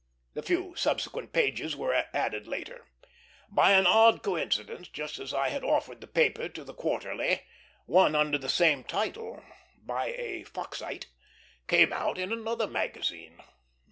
The few subsequent pages were added later. By an odd coincidence, just as I had offered the paper to the Quarterly, one under the same title, "by a Foxite," came out in another magazine.